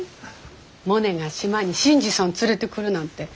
モネが島に新次さん連れてくるなんて。